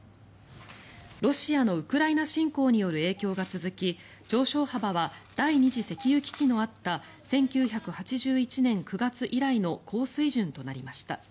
ロシアのウクライナ侵攻による影響が続き上昇幅は第２次石油危機のあった１９８１年９月以来の高水準となりました。